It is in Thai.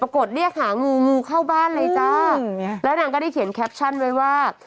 กดเรียกหางูงูเข้าบ้านเลยจ้าแล้วนางก็ได้เขียนแคปชั่นไว้ว่า